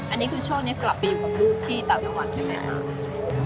อันนี้คือช่วงนี้กลับไปอยู่กับลูกที่ต่างจังหวัดใช่ไหมคะ